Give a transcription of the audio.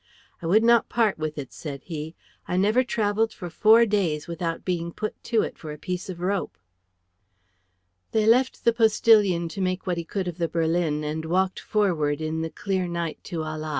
"I would not part with it," said he. "I never travelled for four days without being put to it for a piece of rope." They left the postillion to make what he could of the berlin and walked forward in the clear night to Ala.